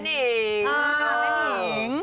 ลอเงินที่หาแม่นิง